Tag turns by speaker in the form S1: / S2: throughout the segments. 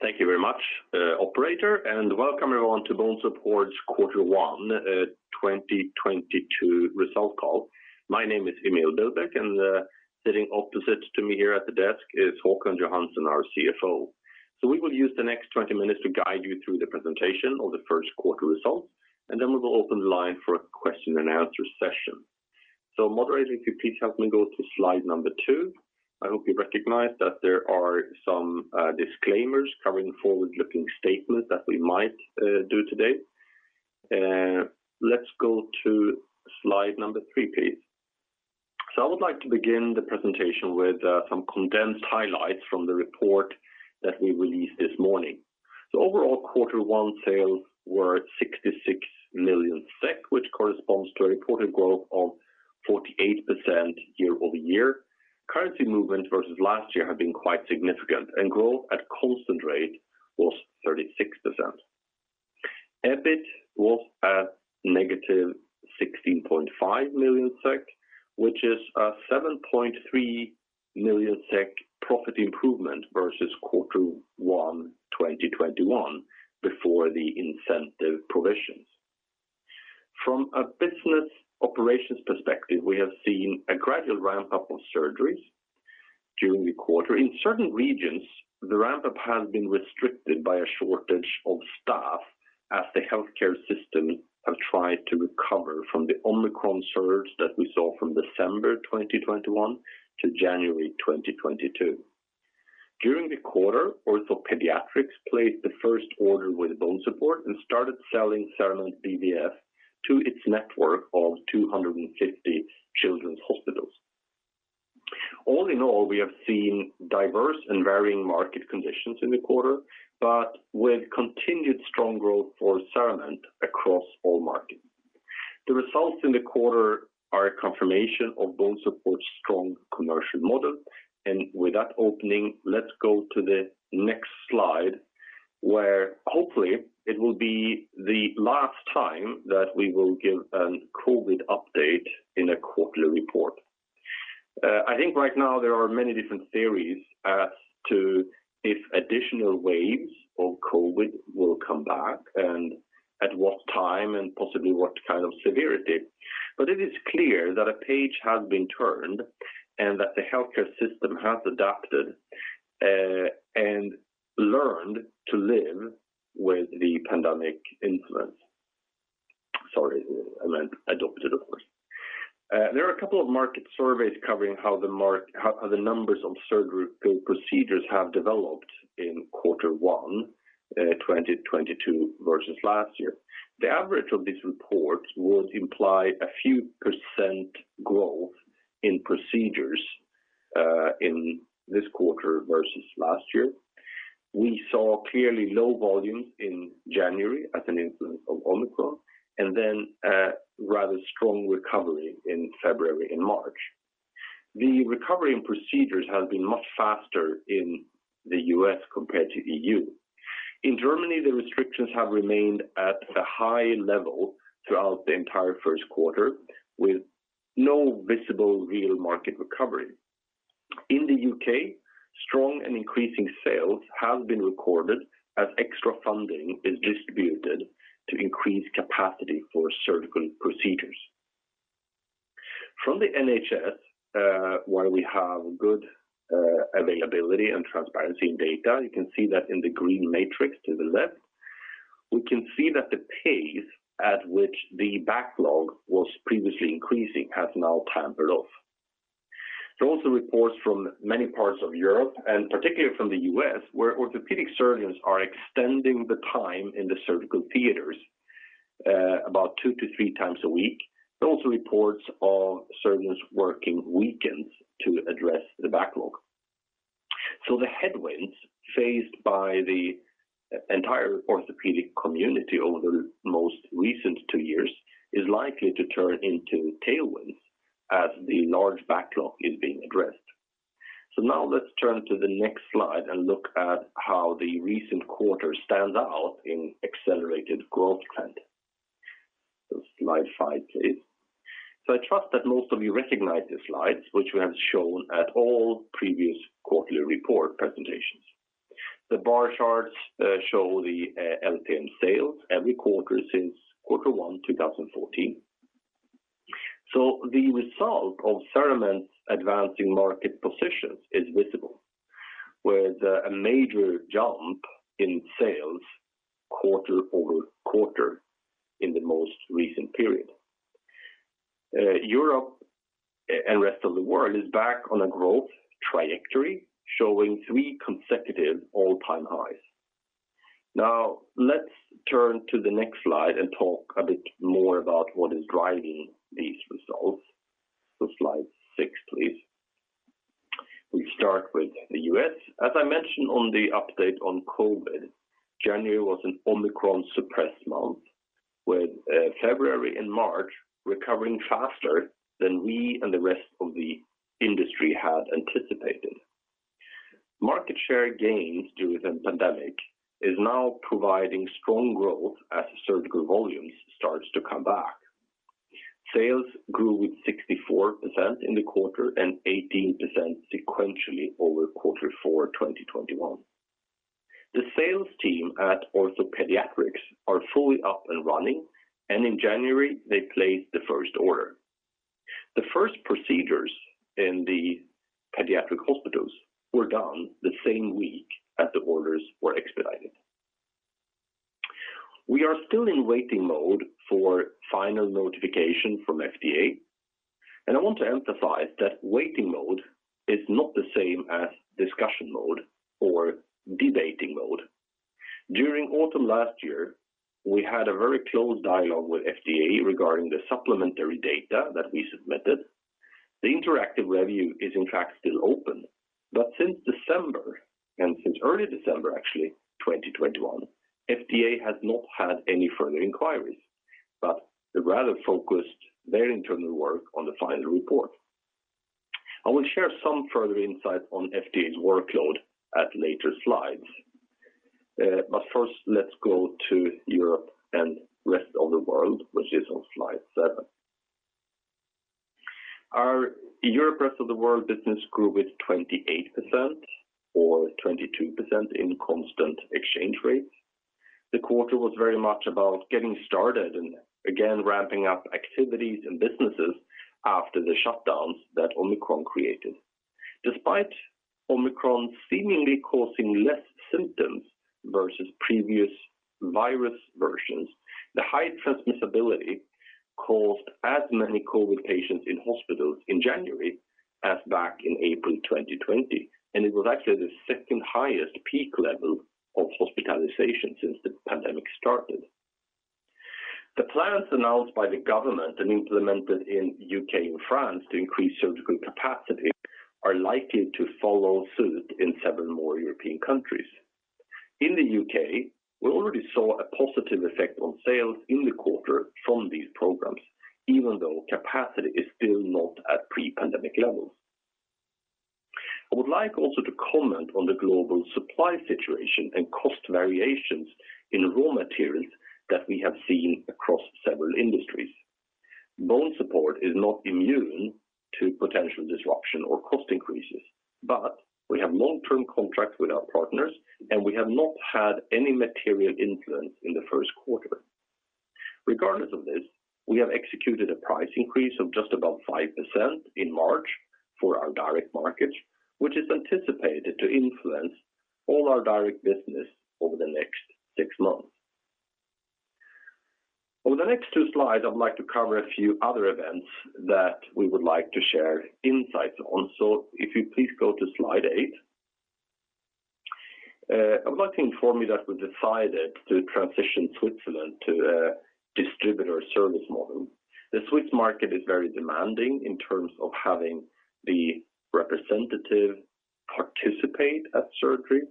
S1: Thank you very much, operator, and welcome everyone to BONESUPPORT's Q1, 2022 Result Call. My name is Emil Billbäck, and, sitting opposite to me here at the desk is Håkan Johansson, our CFO. We will use the next 20 minutes to guide you through the presentation of the first quarter results, and then we will open the line for a question and answer session. Moderator, if you please help me go to slide number two. I hope you recognize that there are some, disclaimers covering forward-looking statements that we might, do today. Let's go to slide number three, please. I would like to begin the presentation with, some condensed highlights from the report that we released this morning. Overall Q1 sales were 66 million SEK, which corresponds to a reported growth of 48% YoY. Currency movements versus last year have been quite significant, and growth at constant rate was 36%. EBIT was at -16.5 million SEK, which is a 7.3 million SEK profit improvement versus Q1 2021 before the incentive provisions. From a business operations perspective, we have seen a gradual ramp-up of surgeries during the quarter. In certain regions, the ramp-up has been restricted by a shortage of staff as the healthcare system have tried to recover from the Omicron surge that we saw from December 2021 to January 2022. During the quarter, OrthoPediatrics placed the first order with BONESUPPORT and started selling CERAMENT BVF to its network of 250 children's hospitals. All in all, we have seen diverse and varying market conditions in the quarter, but with continued strong growth for CERAMENT across all markets. The results in the quarter are a confirmation of BONESUPPORT's strong commercial model. With that opening, let's go to the next slide, where hopefully it will be the last time that we will give a COVID update in a quarterly report. I think right now there are many different theories as to if additional waves of COVID will come back and at what time and possibly what kind of severity. But it is clear that a page has been turned and that the healthcare system has adopted and learned to live with the pandemic influence. There are a couple of market surveys covering how the numbers of surgical procedures have developed in Q1, 2022 versus last year. The average of these reports would imply a few percent growth in procedures in this quarter versus last year. We saw clearly low volumes in January as an influence of Omicron, and then a rather strong recovery in February and March. The recovery in procedures has been much faster in the U.S. compared to E.U. In Germany, the restrictions have remained at a high level throughout the entire first quarter, with no visible real market recovery. In the U.K., strong and increasing sales have been recorded as extra funding is distributed to increase capacity for surgical procedures. From the NHS, while we have good availability and transparency in data, you can see that in the green matrix to the left, we can see that the pace at which the backlog was previously increasing has now tapered off. There are also reports from many parts of Europe, and particularly from the US, where orthopedic surgeons are extending the time in the surgical theaters about 2-3x a week. There are also reports of surgeons working weekends to address the backlog. The headwinds faced by the entire orthopedic community over the most recent two years is likely to turn into tailwinds as the large backlog is being addressed. Now let's turn to the next slide and look at how the recent quarter stands out in accelerated growth trend. Slide five, please. I trust that most of you recognize the slides, which we have shown at all previous quarterly report presentations. The bar charts show the LTM sales every quarter since Q1 2014. The result of CERAMENT's advancing market positions is visible, with a major jump in sales QoQ in the most recent period. Europe and rest of the world is back on a growth trajectory, showing three consecutive all-time highs. Now, let's turn to the next slide and talk a bit more about what is driving these results. Slide six, please. We start with the U.S. As I mentioned on the update on COVID, January was an Omicron suppressed month, with February and March recovering faster than we and the rest of the industry had anticipated. Market share gains during the pandemic is now providing strong growth as surgical volumes starts to come back. Sales grew with 64% in the quarter and 18% sequentially over quarter four 2021. The sales team at OrthoPediatrics are fully up and running, and in January they placed the first order. The first procedures in the pediatric hospitals were done the same week that the orders were expedited. We are still in waiting mode for final notification from FDA, and I want to emphasize that waiting mode is not the same as discussion mode or debating mode. During autumn last year, we had a very close dialogue with FDA regarding the supplementary data that we submitted. The interactive review is in fact still open. Since December, and since early December actually 2021, FDA has not had any further inquiries, but they rather focused their internal work on the final report. I will share some further insight on FDA's workload at later slides. First let's go to Europe and rest of the world, which is on slide seven. Our Europe rest of the world business grew with 28% or 22% in constant exchange rates. The quarter was very much about getting started and again ramping up activities and businesses after the shutdowns that Omicron created. Despite Omicron seemingly causing less symptoms versus previous virus versions, the high transmissibility caused as many COVID patients in hospitals in January as back in April 2020, and it was actually the second highest peak level of hospitalization since the pandemic started. The plans announced by the government and implemented in U.K. and France to increase surgical capacity are likely to follow suit in several more European countries. In the U.K., we already saw a positive effect on sales in the quarter from these programs, even though capacity is still not at pre-pandemic levels. I would like also to comment on the global supply situation and cost variations in raw materials that we have seen across several industries. BONESUPPORT is not immune to potential disruption or cost increases, but we have long-term contracts with our partners, and we have not had any material influence in the first quarter. Regardless of this, we have executed a price increase of just about 5% in March for our direct markets, which is anticipated to influence all our direct business over the next six months. Over the next two slides, I'd like to cover a few other events that we would like to share insights on. If you please go to slide eight. Management has decided to transition Switzerland to a distributor service model. The Swiss market is very demanding in terms of having the representative participate at surgery.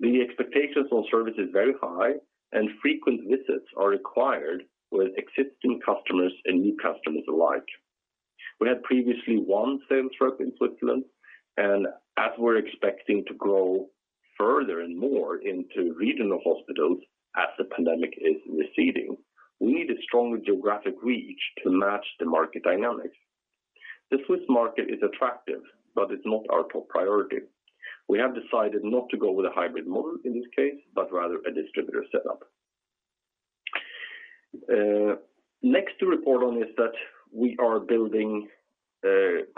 S1: The expectations on service is very high and frequent visits are required with existing customers and new customers alike. We had previously one sales rep in Switzerland, and as we're expecting to grow further and more into regional hospitals as the pandemic is receding, we need a stronger geographic reach to match the market dynamics. The Swiss market is attractive, but it's not our top priority. We have decided not to go with a hybrid model in this case, but rather a distributor setup. Next to report on is that we are building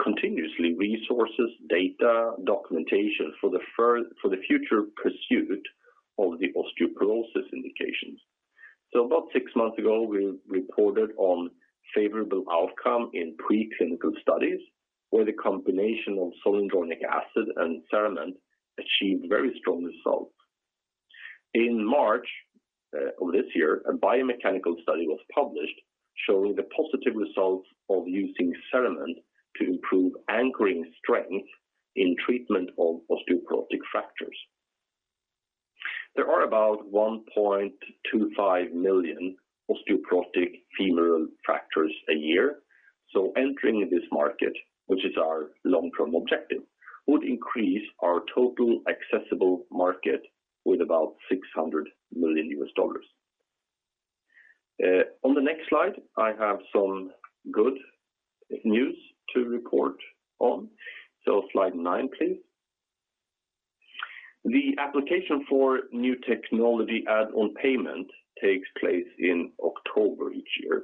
S1: continuously resources, data, documentation for the future pursuit of the osteoporosis indications. About six months ago, we reported on favorable outcome in preclinical studies where the combination of zoledronic acid and CERAMENT achieved very strong results. In March of this year, a biomechanical study was published showing the positive results of using CERAMENT to improve anchoring strength in treatment of osteoporotic fractures. There are about 1.25 million osteoporotic femoral fractures a year. Entering in this market, which is our long-term objective, would increase our total accessible market with about $600 million. On the next slide, I have some good news to report on. Slide nine, please. The application for new technology add-on payment takes place in October each year.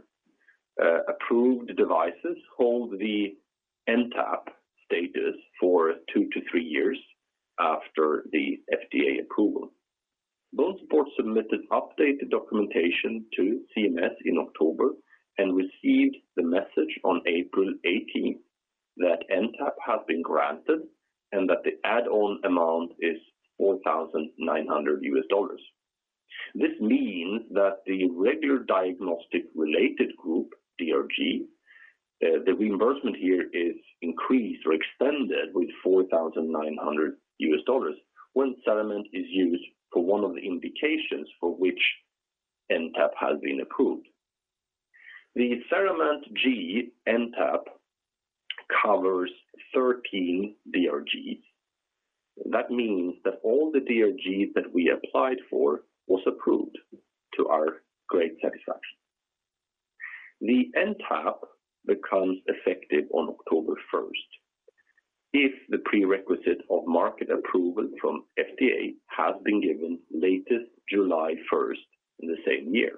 S1: Approved devices hold the NTAP status for 2-3 years after the FDA approval. BONESUPPORT submitted updated documentation to CMS in October and received the message on April 18th that NTAP has been granted and that the add-on amount is $4,900. This means that the regular diagnostic related group, DRG, the reimbursement here is increased or extended with $4,900 when CERAMENT is used for one of the indications for which NTAP has been granted. The CERAMENT G NTAP covers 13 DRGs. That means that all the DRGs that we applied for was approved to our great satisfaction. The NTAP becomes effective on October 1st if the prerequisite of market approval from FDA has been given latest July 1st in the same year.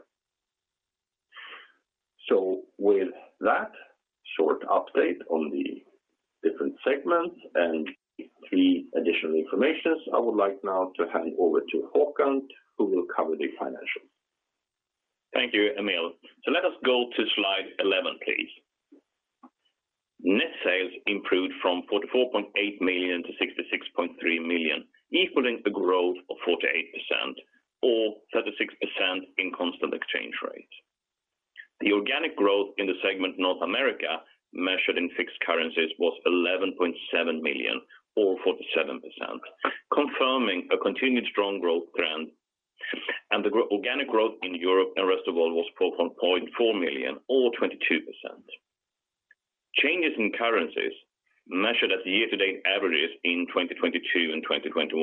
S1: With that short update on the different segments and the additional information, I would like now to hand over to Håkan, who will cover the financials.
S2: Thank you, Emil. Let us go to slide 11, please. Net sales improved from 44.8 million-66.3 million, equaling a growth of 48% or 36% in constant exchange rates. The organic growth in the segment North America, measured in fixed currencies, was 11.7 million or 47%, confirming a continued strong growth trend. The organic growth in Europe and rest of world was 4.4 million or 22%. Changes in currencies measured as year-to-date averages in 2022 and 2021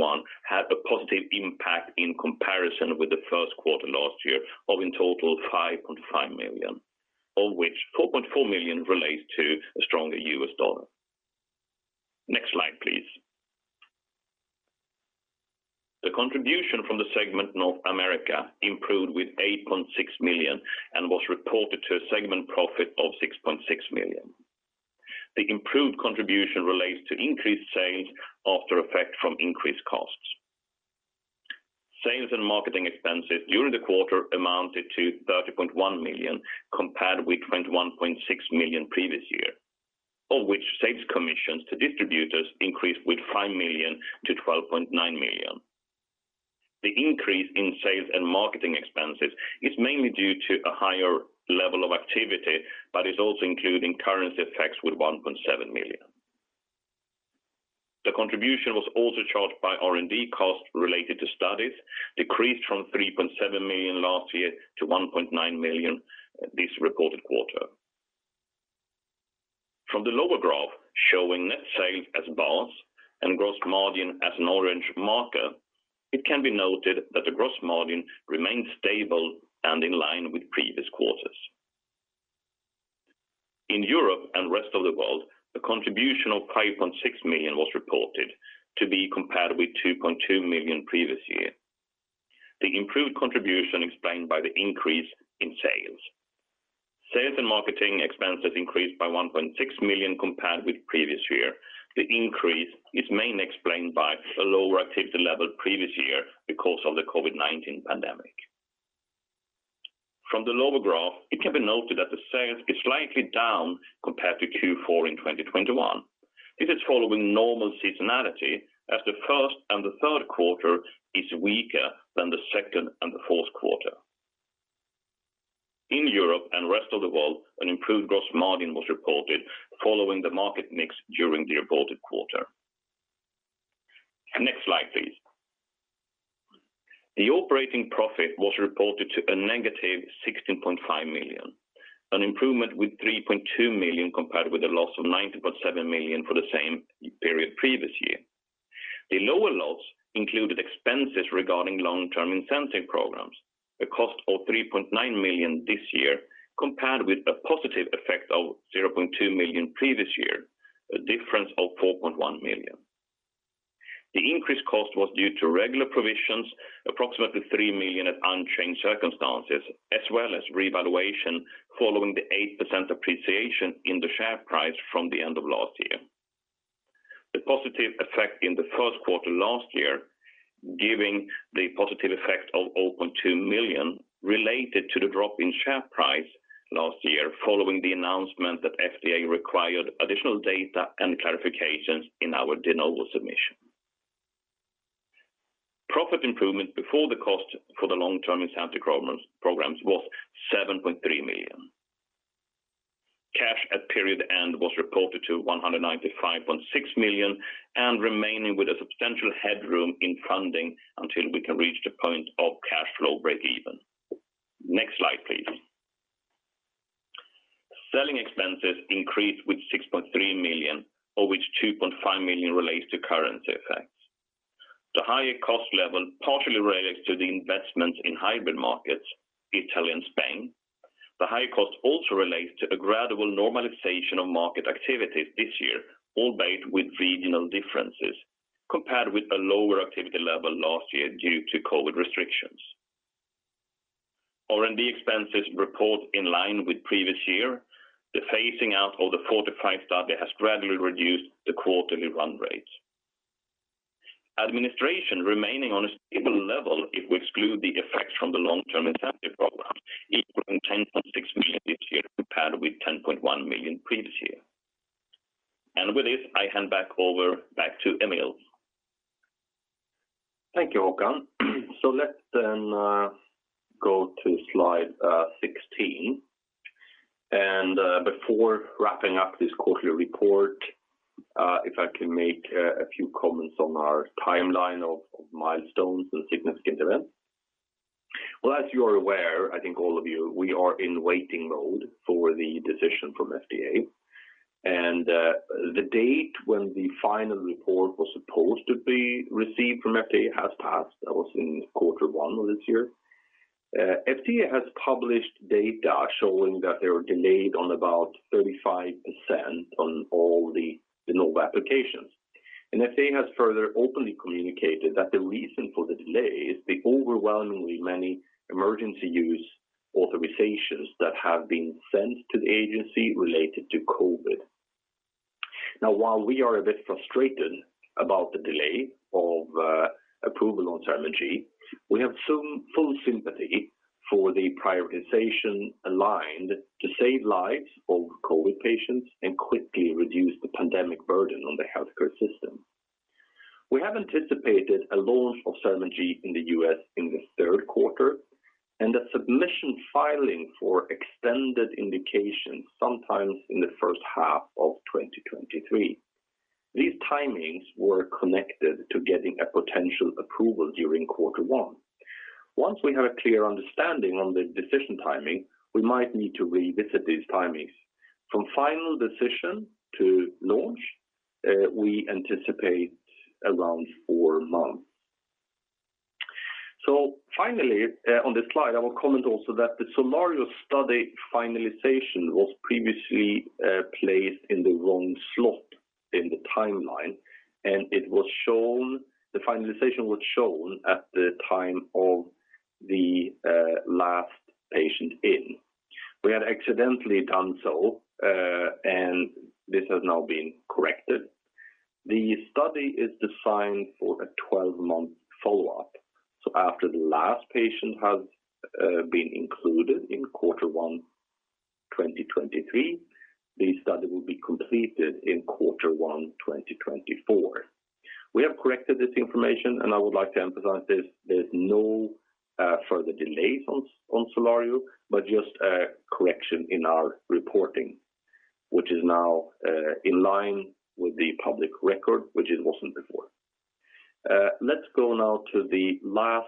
S2: had a positive impact in comparison with the first quarter last year of in total 5.5 million, of which 4.4 million relates to a stronger US dollar. Next slide, please. The contribution from the segment North America improved with 8.6 million and was reported to a segment profit of 6.6 million. The improved contribution relates to increased sales after effect from increased costs. Sales and marketing expenses during the quarter amounted to 30.1 million compared with 21.6 million previous year, of which sales commissions to distributors increased with 5 million-12.9 million. The increase in sales and marketing expenses is mainly due to a higher level of activity, but is also including currency effects with 1.7 million. The contribution was also charged by R&D costs related to studies, decreased from 3.7 million last year to 1.9 million this reported quarter. From the lower graph showing net sales as bars and gross margin as an orange marker, it can be noted that the gross margin remains stable and in line with previous quarters. In Europe and rest of the world, a contribution of 5.6 million was reported to be compared with 2.2 million previous year. The improved contribution explained by the increase in sales. Sales and marketing expenses increased by 1.6 million compared with previous year. The increase is mainly explained by a lower activity level previous year because of the COVID-19 pandemic. From the lower graph, it can be noted that the sales is slightly down compared to Q4 in 2021. This is following normal seasonality as the first and the third quarter is weaker than the second and the fourth quarter. In Europe and rest of the world, an improved gross margin was reported following the market mix during the reported quarter. Next slide, please. The operating profit was reported to -16.5 million, an improvement with 3.2 million compared with a loss of 90.7 million for the same period previous year. The lower loss included expenses regarding long-term incentive programs, a cost of 3.9 million this year compared with a positive effect of 0.2 million previous year, a difference of 4.1 million. The increased cost was due to regular provisions, approximately 3 million at unchanged circumstances, as well as revaluation following the 8% appreciation in the share price from the end of last year. The positive effect in the first quarter last year gave the positive effect of 2 million related to the drop in share price last year following the announcement that FDA required additional data and clarifications in our de novo submission. Profit improvement before the cost for the long-term incentive programs was 7.3 million. Cash at period end was reported at 195.6 million and remaining with a substantial headroom in funding until we can reach the point of cash flow breakeven. Next slide, please. Selling expenses increased by 6.3 million, of which 2.5 million relates to currency effects. The higher cost level partially relates to the investments in hybrid markets, Italy and Spain. The higher cost also relates to a gradual normalization of market activities this year, albeit with regional differences, compared with a lower activity level last year due to COVID restrictions. R&D expenses reported in line with previous year. The phasing out of the FORTIFY study has gradually reduced the quarterly run rate. Administration remaining on a stable level if we exclude the effects from the long-term incentive program, equaling SEK 10.6 million this year compared with 10.1 million previous year. With this, I hand back over to Emil.
S1: Thank you, Håkan. Let's then go to slide 16. Before wrapping up this quarterly report, if I can make a few comments on our timeline of milestones and significant events. Well, as you are aware, I think all of you, we are in waiting mode for the decision from FDA. The date when the final report was supposed to be received from FDA has passed. That was in Q1 of this year. FDA has published data showing that they were delayed on about 35% on all the de novo applications. FDA has further openly communicated that the reason for the delay is the overwhelmingly many emergency use authorizations that have been sent to the agency related to COVID. While we are a bit frustrated about the delay of approval on CERAMENT G, we have some full sympathy for the prioritization aligned to save lives of COVID patients and quickly reduce the pandemic burden on the healthcare system. We have anticipated a launch of CERAMENT G in the U.S. in the third quarter and a submission filing for extended indication sometime in the first half of 2023. These timings were connected to getting a potential approval during Q1. Once we have a clear understanding on the decision timing, we might need to revisit these timings. From final decision to launch, we anticipate around four months. Finally, on this slide, I will comment also that the SOLARIO study finalization was previously placed in the wrong slot in the timeline, and it was shown at the time of the last patient in. We had accidentally done so, and this has now been corrected. The study is designed for a 12-month follow-up. After the last patient has been included in Q1 2023, the study will be completed in Q1 2024. We have corrected this information, and I would like to emphasize this. There's no further delays on SOLARIO, but just a correction in our reporting, which is now in line with the public record, which it wasn't before. Let's go now to the last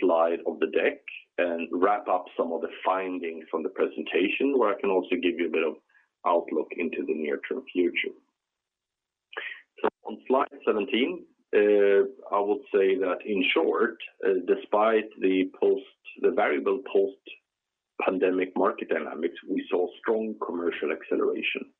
S1: slide of the deck and wrap up some of the findings from the presentation, where I can also give you a bit of outlook into the near-term future. On slide 17, I would say that in short, despite the variable post-pandemic market dynamics, we saw strong commercial acceleration.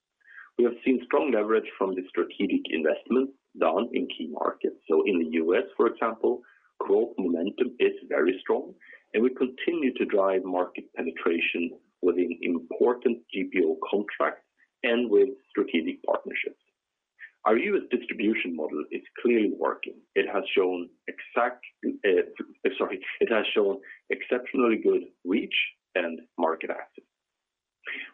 S1: We have seen strong leverage from the strategic investments done in key markets. In the U.S., for example, growth momentum is very strong, and we continue to drive market penetration within important GPO contracts and with strategic partnerships. Our U.S. distribution model is clearly working. It has shown exceptionally good reach and market access.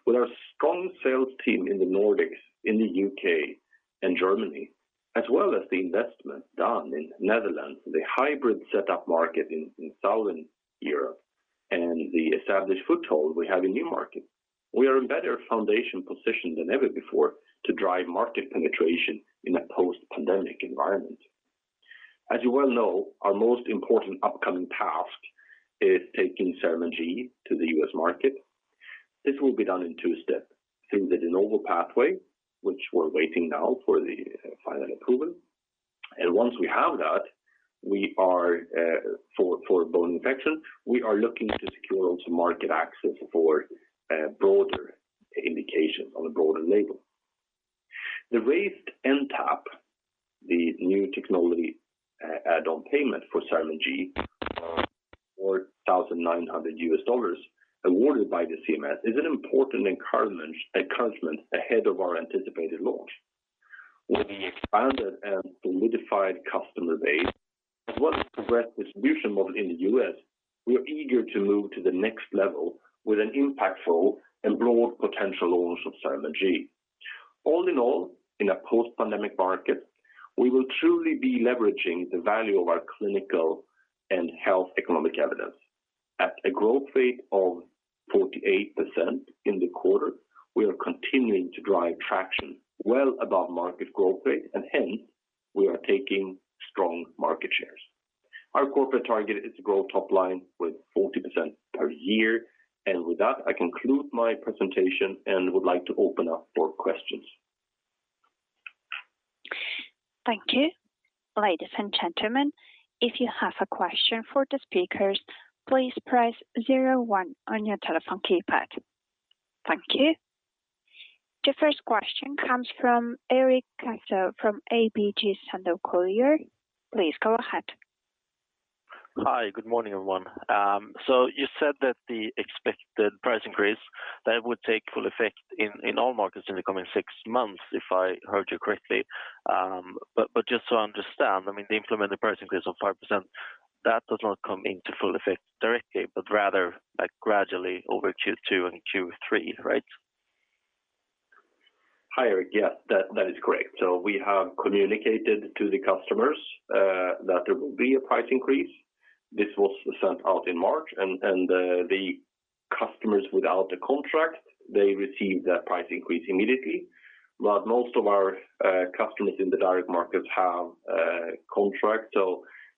S1: With our strong sales team in the Nordics, in the UK and Germany, as well as the investment done in Netherlands, the hybrid set-up market in Southern Europe and the established foothold we have in new markets, we are in better foundation position than ever before to drive market penetration in a post-pandemic environment. As you well know, our most important upcoming task is taking CERAMENT to the US market. This will be done in two steps, through the de novo pathway, which we're waiting now for the final approval. Once we have that, for bone infection, we are looking to secure also market access for broader indications on a broader label. The raised NTAP, the new technology add-on payment for CERAMENT, $4,900 awarded by the CMS, is an important encouragement ahead of our anticipated launch. With the expanded and solidified customer base, as well as progressive distribution model in the U.S., we are eager to move to the next level with an impactful and broad potential launch of CERAMENT G. All in all, in a post-pandemic market, we will truly be leveraging the value of our clinical and health economic evidence. At a growth rate of 48% in the quarter, we are continuing to drive traction well above market growth rate, and hence, we are taking strong market shares. Our corporate target is to grow top line with 40% per year. With that, I conclude my presentation and would like to open up for questions.
S3: Thank you. Ladies and gentlemen, if you have a question for the speakers, please press zero one on your telephone keypad. Thank you. The first question comes from Erik Hultgård from ABG Sundal Collier. Please go ahead.
S4: Hi. Good morning, everyone. You said that the expected price increase that would take full effect in all markets in the coming six months, if I heard you correctly. Just to understand, I mean, the implemented price increase of 5%, that does not come into full effect directly, but rather, like, gradually over Q2 and Q3, right?
S1: Hi, Erik. Yeah, that is correct. We have communicated to the customers that there will be a price increase. This was sent out in March. The customers without the contract, they receive that price increase immediately. Most of our customers in the direct markets have contract.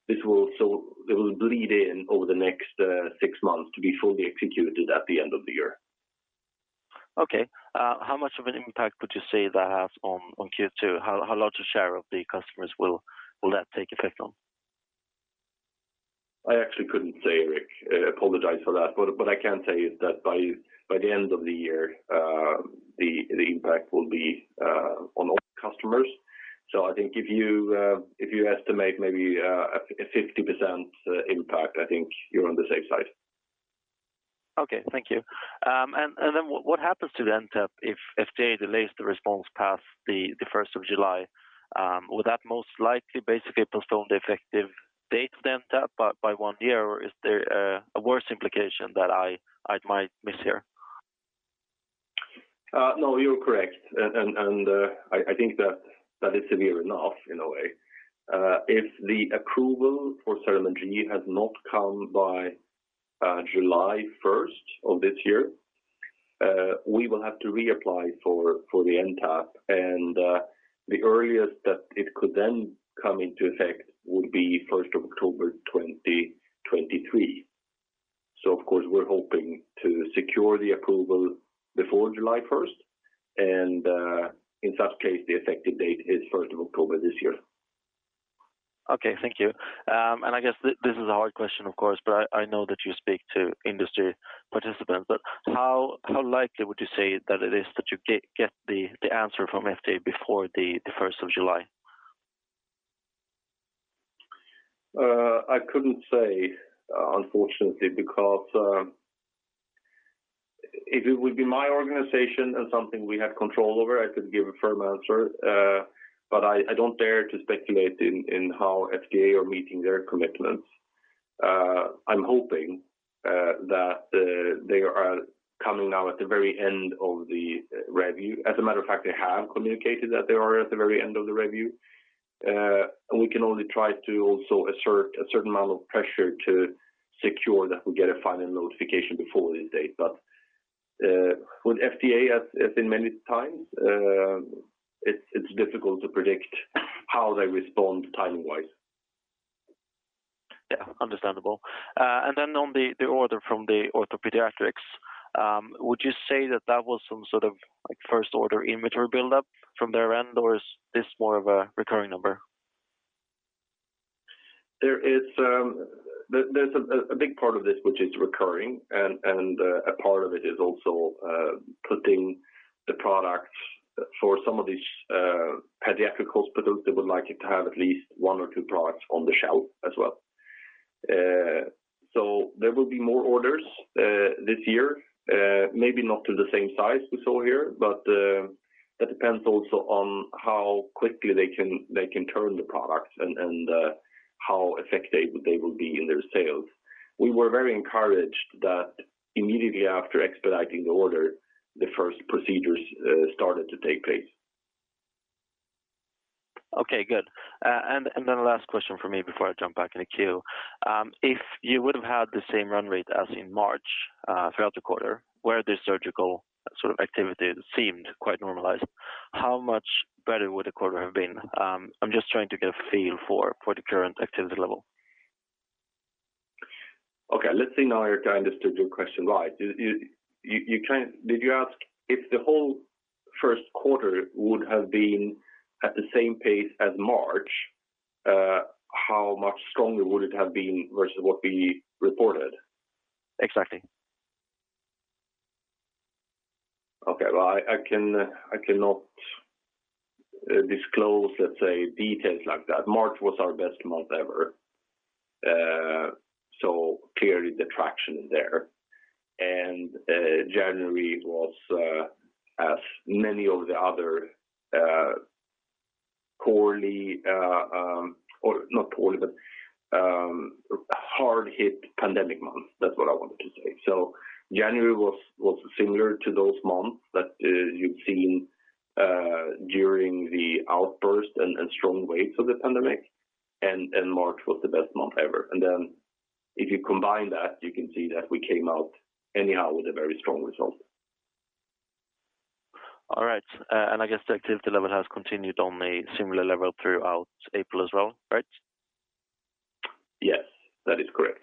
S1: It will bleed in over the next six months to be fully executed at the end of the year.
S4: Okay. How much of an impact would you say that has on Q2? How large a share of the customers will that take effect on?
S1: I actually couldn't say, Erik. Apologize for that. I can tell you that by the end of the year, the impact will be on all customers. I think if you estimate maybe a 50% impact, I think you're on the safe side.
S4: Okay. Thank you. What happens to the NTAP if FDA delays the response past the 1st of July? Would that most likely basically postpone the effective date of the NTAP by one year? Or is there a worse implication that I might miss here?
S1: No, you're correct. I think that is severe enough in a way. If the approval for CERAMENT G has not come by July 1st of this year, we will have to reapply for the NTAP. The earliest that it could then come into effect would be 1st of October 2023. Of course, we're hoping to secure the approval before July1st, and in such case, the effective date is first of October this year.
S4: Okay. Thank you. I guess this is a hard question, of course, but I know that you speak to industry participants. How likely would you say that it is that you get the answer from FDA before the 1st of July?
S1: I couldn't say, unfortunately, because if it would be my organization and something we have control over, I could give a firm answer. I don't dare to speculate in how FDA are meeting their commitments. I'm hoping that they are coming now at the very end of the review. As a matter of fact, they have communicated that they are at the very end of the review. We can only try to also assert a certain amount of pressure to secure that we get a final notification before this date. With FDA, as in many times, it's difficult to predict how they respond timing-wise.
S4: Yeah. Understandable. On the order from OrthoPediatrics, would you say that was some sort of, like, first order inventory buildup from their end, or is this more of a recurring number?
S1: There's a big part of this which is recurring and a part of it is also putting the products for some of these pediatric hospitals that would like it to have at least one or two products on the shelf as well. There will be more orders this year, maybe not to the same size we saw here, but that depends also on how quickly they can turn the products and how effective they will be in their sales. We were very encouraged that immediately after expediting the order, the first procedures started to take place.
S4: Okay, good. Then the last question from me before I jump back in the queue. If you would have had the same run rate as in March, throughout the quarter, where the surgical sort of activity seemed quite normalized, how much better would the quarter have been? I'm just trying to get a feel for the current activity level.
S1: Okay. Let's see now if I understood your question right. Did you ask if the whole first quarter would have been at the same pace as March, how much stronger would it have been versus what we reported?
S4: Exactly.
S1: Okay. Well, I cannot disclose, let's say, details like that. March was our best month ever. Clearly the traction is there. January was like many of the other hard-hit pandemic months. That's what I wanted to say. January was similar to those months that you've seen during the outbreak and strong waves of the pandemic. March was the best month ever. If you combine that, you can see that we came out anyhow with a very strong result.
S4: All right. I guess the activity level has continued on a similar level throughout April as well, right?
S1: Yes, that is correct.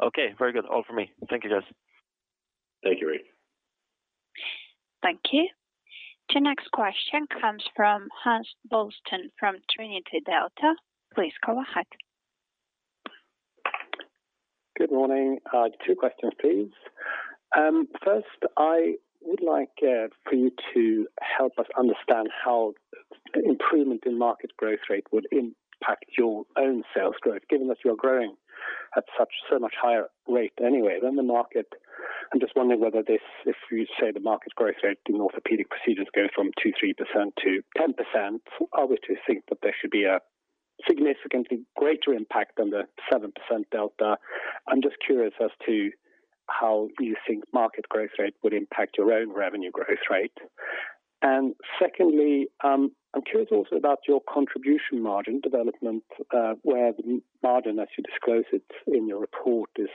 S4: Okay, very good. All from me. Thank you, guys.
S1: Thank you, Erik.
S3: Thank you. The next question comes from Hans Boström from Trinity Delta. Please go ahead.
S5: Good morning. Two questions, please. First, I would like for you to help us understand how improvement in market growth rate would impact your own sales growth, given that you're growing at such so much higher rate anyway than the market. I'm just wondering whether this, if you say the market growth rate in orthopedic procedures go from 2%-3% to 10%, I would think that there should be a significantly greater impact than the 7% delta. I'm just curious as to how you think market growth rate would impact your own revenue growth rate. Secondly, I'm curious also about your contribution margin development, where the margin, as you disclose it in your report, is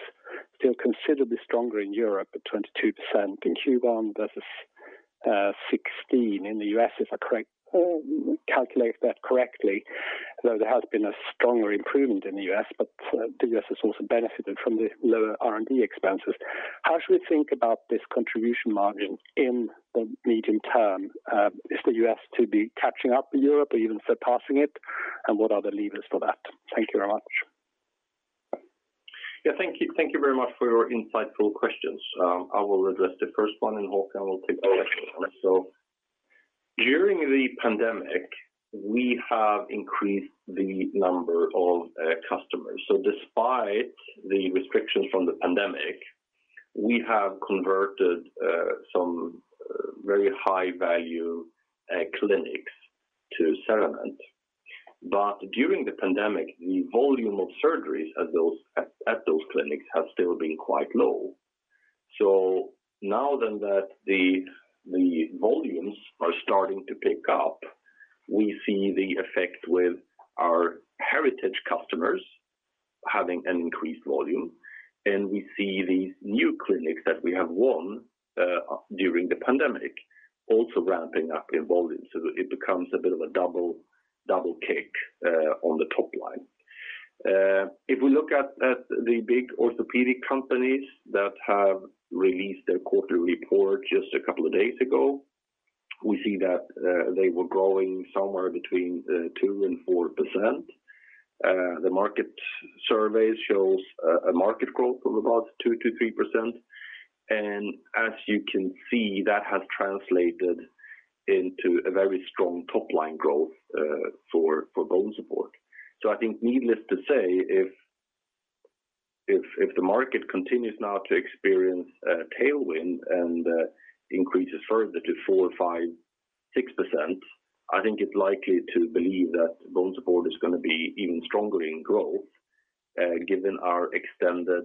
S5: still considerably stronger in Europe at 22%. In Q1 versus 16 in the U.S., if I calculate that correctly, though there has been a stronger improvement in the U.S., but the U.S. has also benefited from the lower R&D expenses. How should we think about this contribution margin in the medium term, is the U.S. to be catching up with Europe or even surpassing it? And what are the levers for that? Thank you very much.
S1: Yeah, thank you. Thank you very much for your insightful questions. I will address the first one, and Håkan will take over. During the pandemic, we have increased the number of customers. Despite the restrictions from the pandemic, we have converted some very high-value clinics to CERAMENT. During the pandemic, the volume of surgeries at those clinics has still been quite low. Now then that the volumes are starting to pick up, we see the effect with our heritage customers having an increased volume, and we see these new clinics that we have won during the pandemic also ramping up in volume. It becomes a bit of a double kick on the top line. If we look at the big orthopedic companies that have released their quarterly report just a couple of days ago, we see that they were growing somewhere between 2%-4%. The market survey shows a market growth of about 2%-3%. As you can see, that has translated into a very strong top-line growth for BONESUPPORT. I think needless to say, if the market continues now to experience a tailwind and increases further to 4% or 5%-6%, I think it's likely to believe that BONESUPPORT is gonna be even stronger in growth, given our extended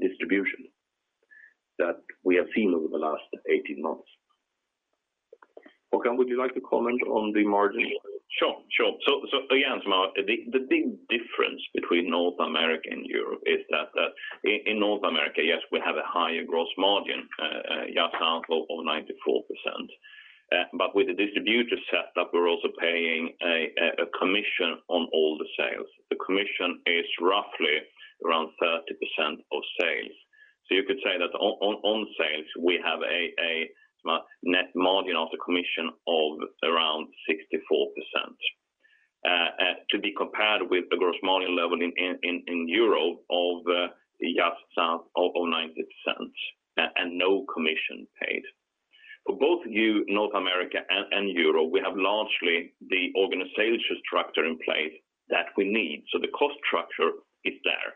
S1: distribution that we have seen over the last 18 months. Håkan, would you like to comment on the margin?
S2: Sure. Again, the big difference between North America and Europe is that in North America, yes, we have a higher gross margin just south of 94%. But with the distributor set up, we're also paying a commission on all the sales. The commission is roughly around 30% of sales. You could say that on sales, we have a net margin net of the commission of around 64% to be compared with the gross margin level in Europe of just south of 90% and no commission paid. For both North America and Europe, we have largely the organizational structure in place that we need. The cost structure is there.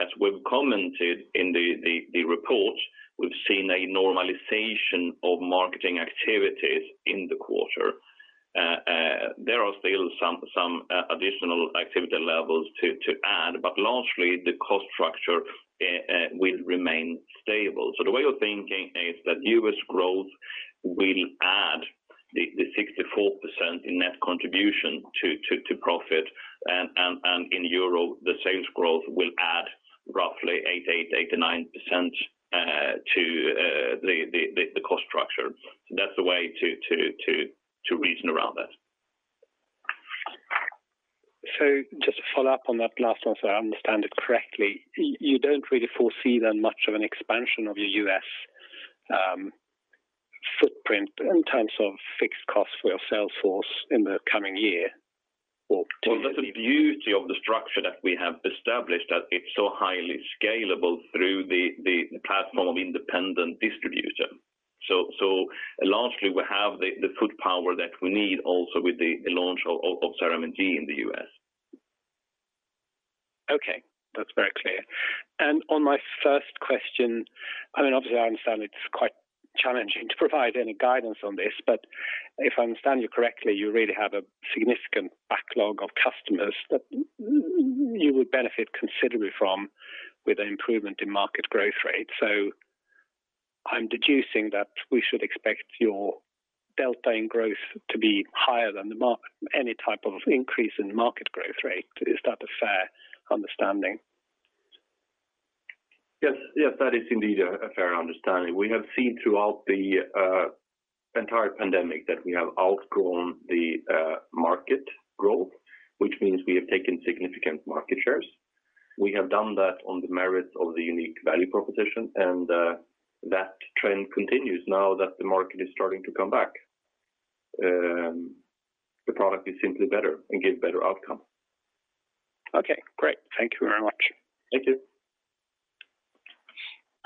S2: As we've commented in the report, we've seen a normalization of marketing activities in the quarter. There are still some additional activity levels to add, but largely the cost structure will remain stable. The way you're thinking is that U.S. growth will add the 64% in net contribution to profit. In euro, the sales growth will add roughly 8%-9% to the cost structure. That's the way to reason around that.
S5: Just to follow up on that last one, so I understand it correctly, you don't really foresee then much of an expansion of your U.S. footprint in terms of fixed costs for your sales force in the coming year or two.
S2: Well, that's the beauty of the structure that we have established, that it's so highly scalable through the platform of independent distributor. Largely, we have the foot power that we need also with the launch of CERAMENT G in the US.
S5: Okay, that's very clear. On my first question, I mean, obviously, I understand it's quite challenging to provide any guidance on this, but if I understand you correctly, you really have a significant backlog of customers that you would benefit considerably from with an improvement in market growth rate. I'm deducing that we should expect your delta in growth to be higher than any type of increase in market growth rate. Is that a fair understanding?
S1: Yes, yes. That is indeed a fair understanding. We have seen throughout the entire pandemic that we have outgrown the market growth, which means we have taken significant market shares. We have done that on the merits of the unique value proposition, and that trend continues now that the market is starting to come back. The product is simply better and give better outcome.
S5: Okay, great. Thank you very much.
S1: Thank you.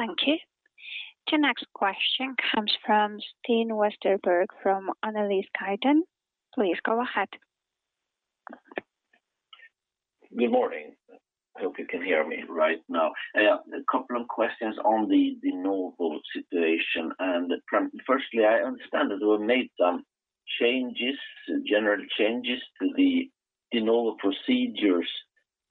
S3: Thank you. The next question comes from Sten Westerberg from Analysguiden. Please go ahead.
S6: Good morning. I hope you can hear me right now. Yeah, a couple of questions on the de novo situation and the trend. Firstly, I understand that you have made some changes, general changes to the de novo procedures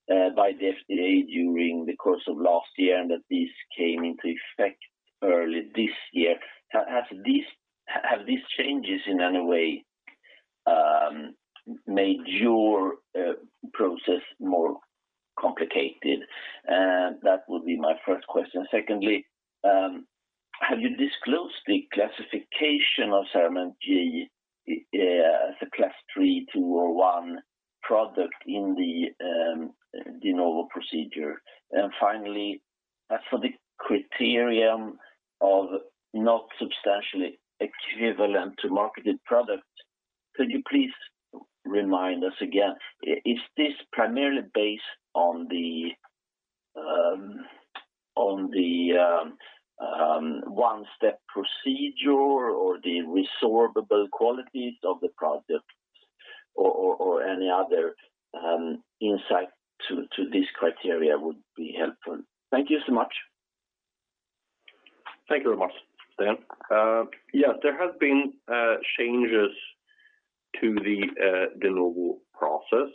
S6: by the FDA during the course of last year, and that these came into effect early this year. Have these changes in any way made your process more complicated? That would be my first question. Secondly, have you disclosed the classification of CERAMENT G as a Class 3, 2 or one product in the de novo procedure? Finally, as for the criterion of not substantially equivalent to marketed product, could you please remind us again, is this primarily based on the one-step procedure or the resorbable qualities of the product? Any other insight to this criteria would be helpful. Thank you so much.
S1: Thank you very much, Sten. Yes, there have been changes to the de novo process.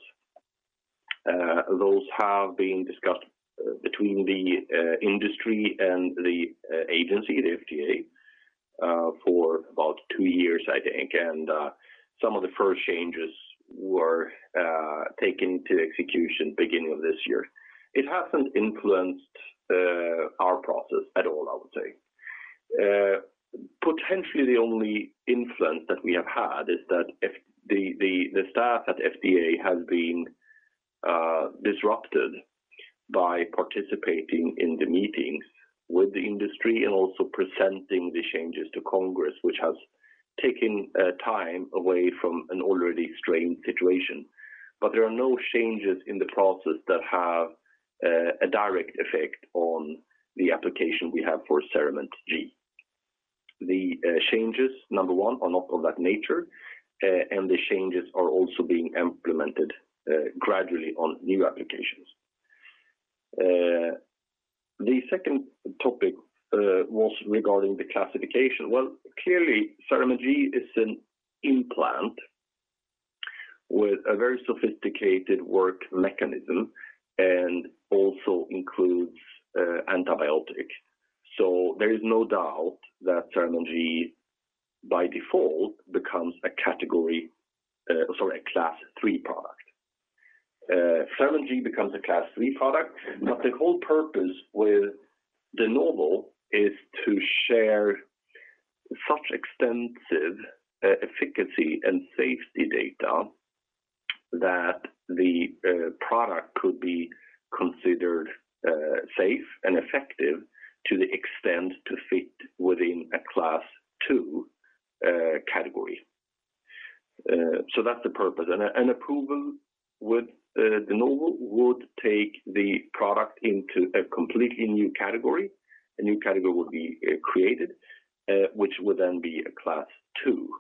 S1: Those have been discussed between the industry and the agency, the FDA, for about two years, I think. Some of the first changes were taken to execution beginning of this year. It hasn't influenced our process at all, I would say. Potentially the only influence that we have had is that if the staff at FDA has been disrupted by participating in the meetings with the industry and also presenting the changes to Congress, which has taken time away from an already strained situation. There are no changes in the process that have a direct effect on the application we have for CERAMENT G. The changes, number one, are not of that nature, and the changes are also being implemented gradually on new applications. The second topic was regarding the classification. Well, clearly, CERAMENT G is an implant with a very sophisticated work mechanism and also includes antibiotic. So there is no doubt that CERAMENT G, by default, becomes a Class 3 product. CERAMENT G becomes a Class 3 product, but the whole purpose with de novo is to share such extensive efficacy and safety data that the product could be considered safe and effective to the extent to fit within a Class 2 category. So that's the purpose. An approval with de novo would take the product into a completely new category. A new category would be created, which would then be a Class 2.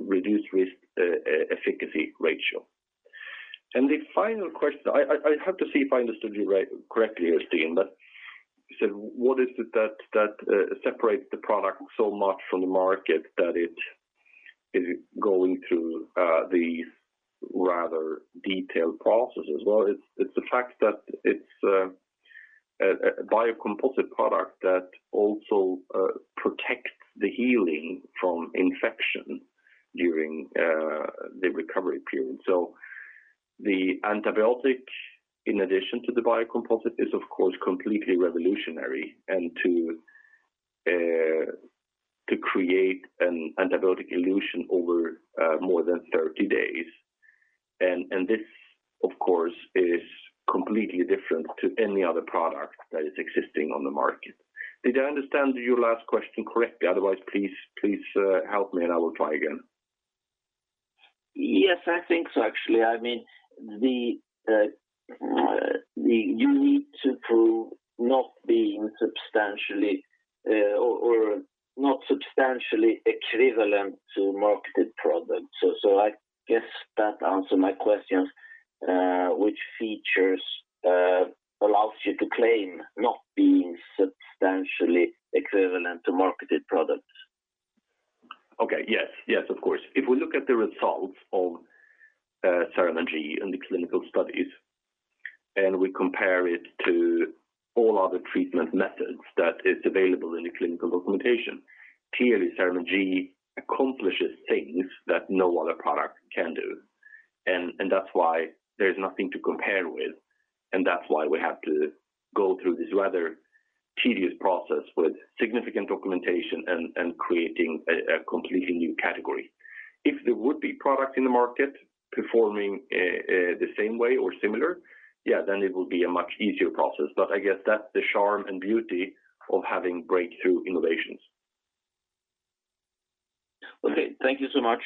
S1: Reduced risk-efficacy ratio. The final question, I have to see if I understood you right, correctly, Sten. You said, what is it that separates the product so much from the market that it is going through these rather detailed processes? It's the fact that it's a biocomposite product that also protects the healing from infection during the recovery period. The antibiotic, in addition to the biocomposite, is of course completely revolutionary and to create an antibiotic elution over more than 30 days. This, of course, is completely different to any other product that is existing on the market. Did I understand your last question correctly? Otherwise, please, help me, and I will try again.
S6: Yes, I think so, actually. I mean, you need to prove not being substantially or not substantially equivalent to marketed products. I guess that answered my question. Which features allows you to claim not being substantially equivalent to marketed products?
S1: Okay. Yes, of course. If we look at the results of CERAMENT G in the clinical studies, and we compare it to all other treatment methods that is available in the clinical documentation, clearly CERAMENT G accomplishes things that no other product can do. That's why there is nothing to compare with, and that's why we have to go through this rather tedious process with significant documentation and creating a completely new category. If there would be product in the market performing the same way or similar, yeah, then it would be a much easier process. I guess that's the charm and beauty of having breakthrough innovations.
S6: Okay. Thank you so much.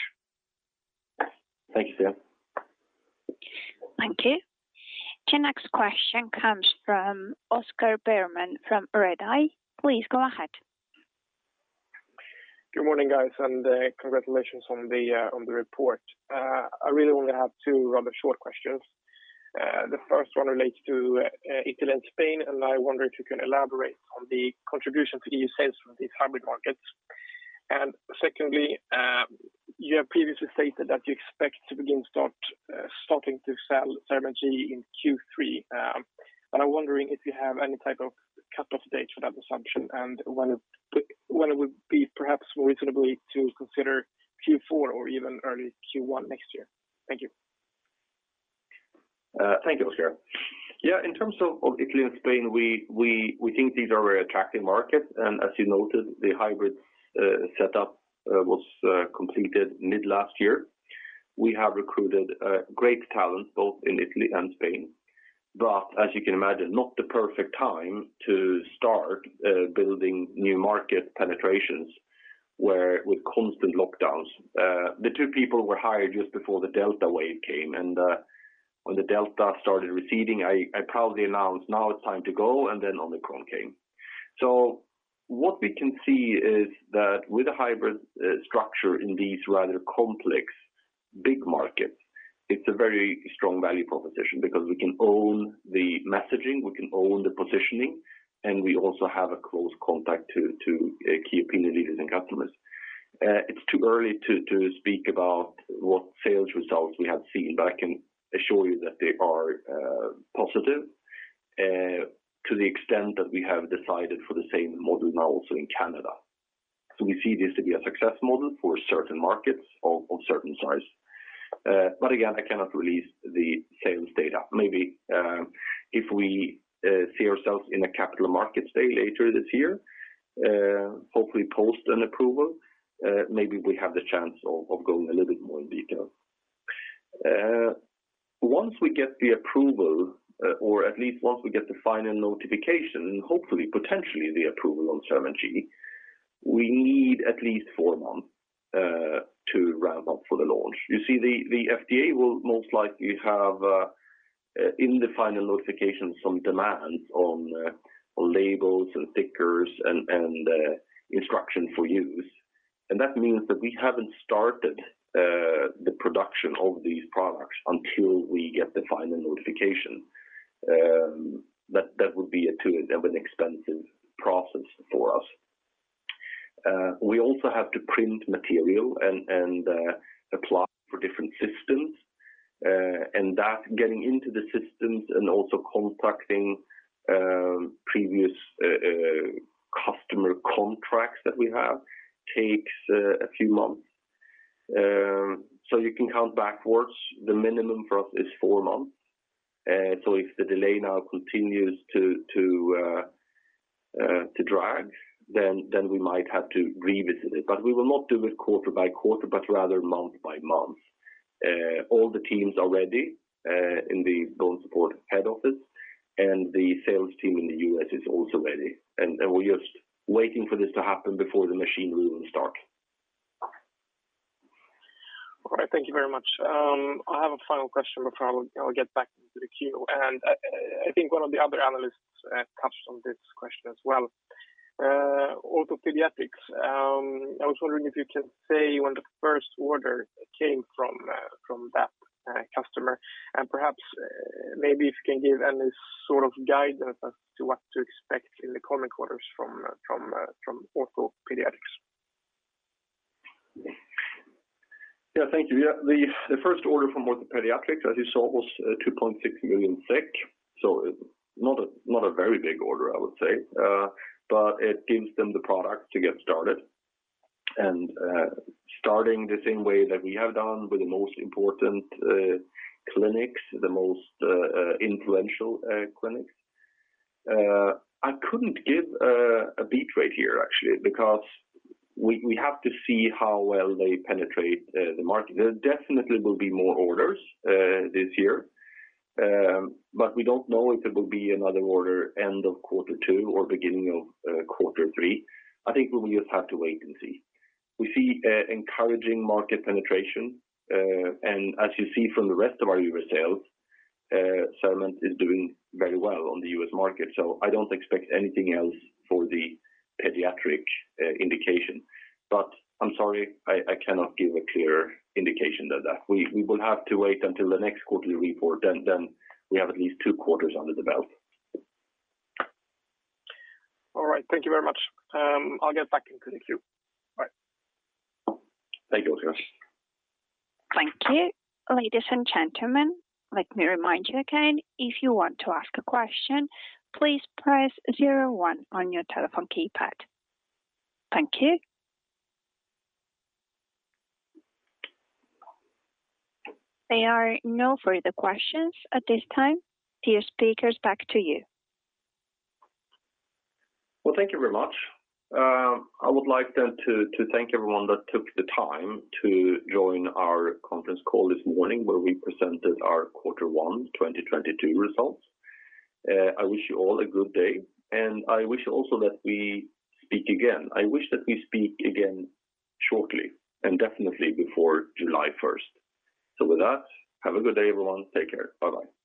S1: Thank you, Sten.
S3: Thank you. The next question comes from Oscar Bergman from Redeye. Please go ahead.
S7: Good morning, guys, and congratulations on the report. I really only have two rather short questions. The first one relates to Italy and Spain, and I wonder if you can elaborate on the contribution to the sales from these hybrid markets. Secondly, you have previously stated that you expect to begin starting to sell CERAMENT G in Q3. But I'm wondering if you have any type of cutoff date for that assumption and when it would be perhaps more reasonably to consider Q4 or even early Q1 next year. Thank you.
S1: Thank you, Oscar. Yeah, in terms of Italy and Spain, we think these are very attractive markets. As you noted, the hybrid setup was completed mid-last year. We have recruited great talent both in Italy and Spain. As you can imagine, not the perfect time to start building new market penetrations with constant lockdowns. The two people were hired just before the Delta wave came. When the Delta started receding, I proudly announced, "Now it's time to go," and then Omicron came. What we can see is that with a hybrid structure in these rather complex big markets, it's a very strong value proposition because we can own the messaging, we can own the positioning, and we also have a close contact to key opinion leaders and customers. It's too early to speak about what sales results we have seen, but I can assure you that they are positive to the extent that we have decided for the same model now also in Canada. We see this to be a success model for certain markets of certain size. Again, I cannot release the sales data. Maybe if we see ourselves in a Capital Markets Day later this year, hopefully post an approval, maybe we have the chance of going a little bit more in detail. Once we get the approval, or at least once we get the final notification, hopefully, potentially the approval on CERAMENT G, we need at least four months to ramp up for the launch. You see, the FDA will most likely have in the final notification some demands on labels and stickers and instruction for use. That means that we haven't started the production of these products until we get the final notification. That would be an expensive process for us. We also have to print material and apply for different systems. That getting into the systems and also contacting previous customer contacts that we have takes a few months. You can count backwards. The minimum for us is four months. If the delay now continues to drag, then we might have to revisit it. We will not do it quarter by quarter, but rather month by month. All the teams are ready in the BONESUPPORT head office, and the sales team in the U.S. is also ready. We're just waiting for this to happen before the machinery will start.
S7: All right. Thank you very much. I have a final question before I will get back into the queue. I think one of the other analysts touched on this question as well. OrthoPediatrics, I was wondering if you can say when the first order came from that customer. Perhaps maybe if you can give any sort of guidance as to what to expect in the coming quarters from OrthoPediatrics.
S1: The first order from OrthoPediatrics, as you saw, was 2.6 million. Not a very big order, I would say. It gives them the product to get started. Starting the same way that we have done with the most important clinics, the most influential clinics. I couldn't give a beat rate here actually, because we have to see how well they penetrate the market. There definitely will be more orders this year. We don't know if it will be another order end of Q2 or beginning of Q3. I think we will just have to wait and see. We see encouraging market penetration. As you see from the rest of our US sales, CERAMENT is doing very well on the US market. I don't expect anything else for the pediatric indication. I'm sorry, I cannot give a clear indication of that. We will have to wait until the next quarterly report. We have at least two quarters under the belt.
S7: All right. Thank you very much. I'll get back in queue.
S1: Thank you.
S7: Bye.
S1: Thank you, Oscar.
S3: Thank you. Ladies and gentlemen, let me remind you again. If you want to ask a question, please press zero one on your telephone keypad. Thank you. There are no further questions at this time. Dear speakers, back to you.
S1: Well, thank you very much. I would like then to thank everyone that took the time to join our conference call this morning where we presented our Q1 2022 results. I wish you all a good day, and I wish also that we speak again. I wish that we speak again shortly and definitely before July first. With that, have a good day, everyone. Take care. Bye-bye.